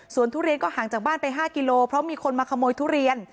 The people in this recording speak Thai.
ส่วนทุเรียนก็ห่างจากบ้านไป๕กิโลเพราะมีคนมาขโมยทุเรียน